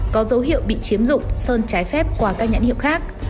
có dấu hiệu bị chiếm dụng sơn trái phép qua các nhãn hiệu khác